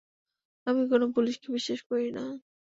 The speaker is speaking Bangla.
আমি কোনও পুলিশকে বিশ্বাস করি না।